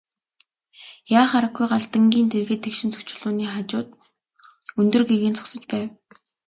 Яах аргагүй Галдангийн дэргэд тэгш өнцөгт чулууны хажууд өндөр гэгээн зогсож байв.